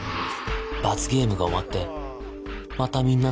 罰ゲームが終わってまたみんなと飲み直して